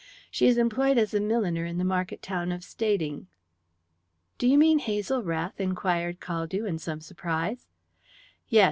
She is employed as a milliner at the market town of Stading." "Do you mean Hazel Rath?" inquired Caldew, in some surprise. "Yes.